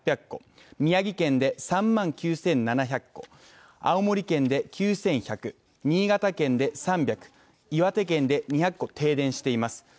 宮城県で３万９７００戸、青森県で９１００戸、新潟県で３００戸、岩手県で２００戸、停電しています。